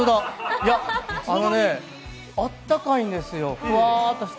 いや、あのね、あったかいんですよ。